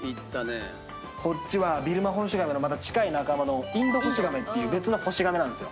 こっちはビルマホシガメの近い仲間のインドホシガメっていう別のホシガメなんですよ。